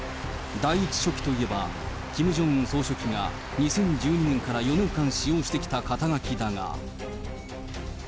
第１書記といえば、キム・ジョンウン総書記が２０１２年から４年間使用してきた肩書だが。